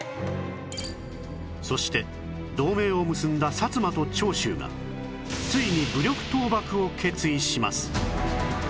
そして同盟を結んだ薩摩と長州がついに武力倒幕を決意します